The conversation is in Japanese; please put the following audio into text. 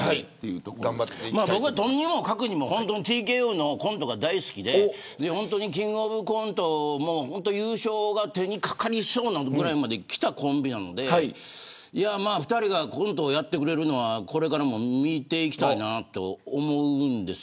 僕はとにもかくにもＴＫＯのコントが大好きでキングオブコントも優勝が手にかかりそうなぐらいまできたコンビなんで２人がコントをやってくれるのはこれからも見ていきたいと思います。